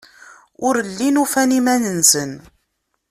Ur llin ufan iman-nsen.